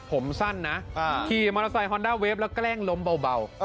ผมสั้นนะขี่มอเตอร์ไซคอนด้าเวฟแล้วแกล้งล้มเบา